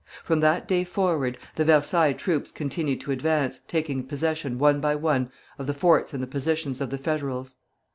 From that day forward, the Versailles troops continued to advance, taking possession one by one of the forts and the positions of the Federals.